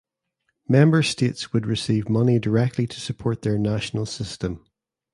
Member States would receive money directly to support their national system.